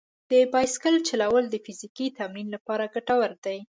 د بایسکل چلول د فزیکي تمرین لپاره ګټور دي.